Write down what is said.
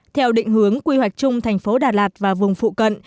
theo định hướng quy hoạch chung thành phố đà lạt và vùng phụ cận